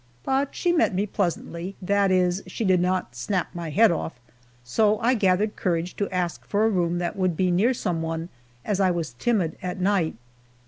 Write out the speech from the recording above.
But she met me pleasantly that is, she did not snap my head off so I gathered courage to ask for a room that would be near some one, as I was timid at night.